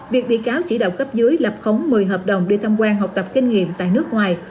việc bị cáo chỉ đạo cấp dưới lập khống một mươi hợp đồng đi tham quan học tập kinh nghiệm tại nước ngoài